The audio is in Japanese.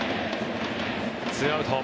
２アウト。